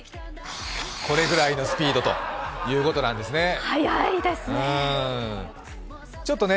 これぐらいのスピードということなんですね。